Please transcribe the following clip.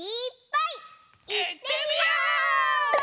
いってみよう！